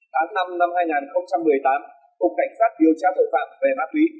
tháng năm năm hai nghìn một mươi tám cục cảnh sát điều tra tội phạm về ma túy